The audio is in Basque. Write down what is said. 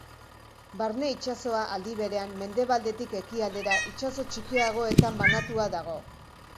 Barne itsasoa, aldi berean, mendebaldetik ekialdera itsaso txikiagoetan banatua dago.